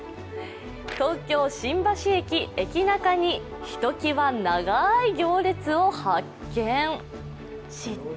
東京・新橋駅エキナカにひときわ長い行列を発見。